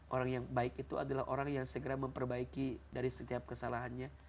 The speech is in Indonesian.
orang yang baik itu adalah orang yang segera memperbaiki dari setiap kesalahannya